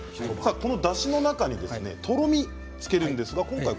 そのだしにとろみをつけるんですね。